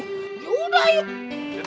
ya udah yuk